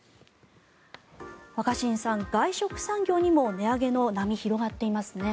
若新さん、外食産業にも値上げの波、広がっていますね。